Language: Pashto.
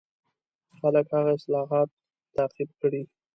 خلک هغه اصلاحات تعقیب کړي.